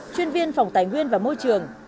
chuyên viên phòng tài nguyên và môi trường